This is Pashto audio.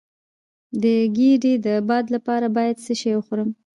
د ګیډې د باد لپاره باید څه شی وخورم؟